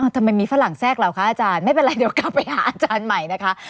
ทำไมมีฝรั่งแทรกเราคะอาจารย์ไม่เป็นไรเดี๋ยวกลับไปหาอาจารย์ใหม่นะคะ